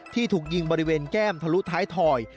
ถูกยิงบริเวณแก้มทะลุท้ายถอย